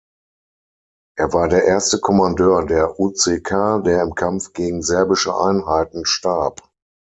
Er war der erste Kommandeur der UÇK, der im Kampf gegen serbische Einheiten starb.